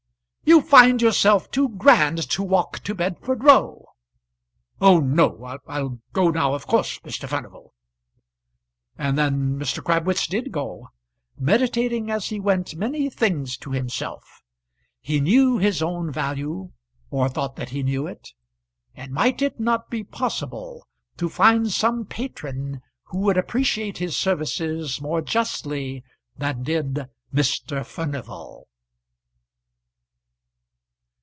"You find yourself too grand to walk to Bedford Row!" "Oh, no. I'll go now, of course, Mr. Furnival." And then Mr. Crabwitz did go, meditating as he went many things to himself. He knew his own value, or thought that he knew it; and might it not be possible to find some patron who would appreciate his services more justly than did Mr. Furnival?